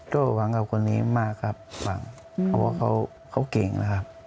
ก็หวังกับคนนี้มากครับหวังเขาบอกเขาเก่งแล้วครับ